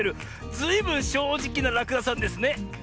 ずいぶんしょうじきならくださんですね。